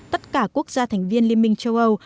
tất cả quốc gia thành viên liên minh châu âu